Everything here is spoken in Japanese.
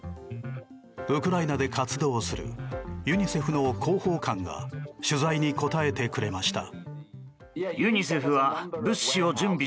ウクライナで活動するユニセフの広報官が取材に答えてくれました。